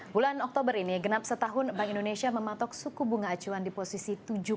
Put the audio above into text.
bulan oktober ini genap setahun bank indonesia mematok suku bunga acuan di posisi tujuh